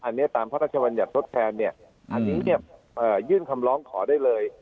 อันนี้ตามพระราชบัญญัติทดแทนเนี่ยอันนี้เนี่ยยื่นคำร้องขอได้เลย